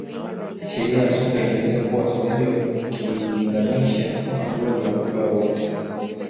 sheria ya soka inaeleza kuwa wachezaji wakilinganisha magoli wanapewa wote